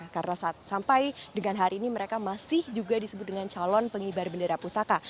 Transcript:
karena sampai dengan hari ini mereka masih juga disebut dengan calon pengibar bendera pusaka